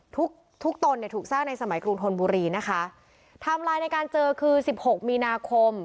ทุกทุกตนเนี่ยถูกสร้างในสมัยกรุงธนบุรีนะคะไทม์ไลน์ในการเจอคือสิบหกมีนาคม